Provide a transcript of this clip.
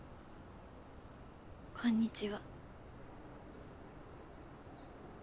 こんにちは。